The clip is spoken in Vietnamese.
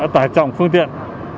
tải trọng phương tiện